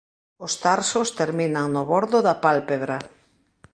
Os tarsos terminan no bordo da pálpebra.